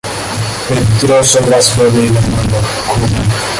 Pedroso was born in Havana, Cuba.